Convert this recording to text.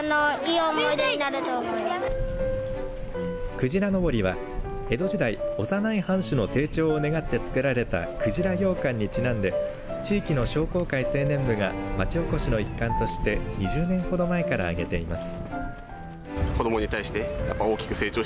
くじらのぼりは江戸時代幼い藩主の成長を願って作られた鯨ようかんにちなんで地域の商工会青年部が町おこしの一環として２０年ほど前から揚げています。